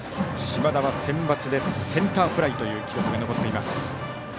島田はセンバツでセンターフライという記録が残っています。